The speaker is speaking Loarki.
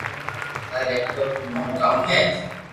ٿاري ٻاپ رو نوم ڪاؤ ھي